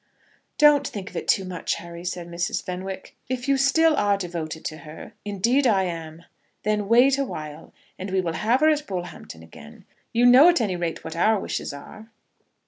"Don't think of it too much, Harry," said Mrs. Fenwick. "If you still are devoted to her " "Indeed I am." "Then wait awhile, and we will have her at Bullhampton again. You know at any rate what our wishes are."